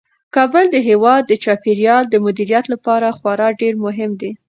کابل د هیواد د چاپیریال د مدیریت لپاره خورا ډیر مهم دی.